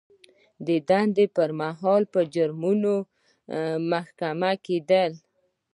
د دندې پر مهال په جرمونو محکوم کیدل.